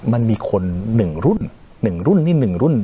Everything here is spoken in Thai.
มันมีคนหนึ่งรุ่นหนึ่งรุ่นนี่หนึ่งรุ่น